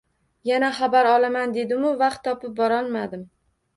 Yana xabar olaman dedimu vaqt topib borolmadim